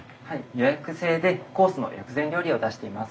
予約制でコースの薬膳料理を出しています。